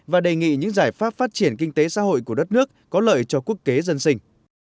và đề nghị những giải pháp phát triển kinh tế xã hội của đất nước có lợi cho quốc kế dân sinh